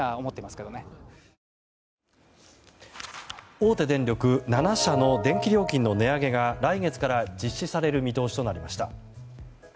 大手電力７社の電気料金の値上げが来月から実施される見通しとなりました。